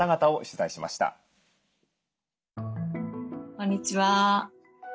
こんにちは。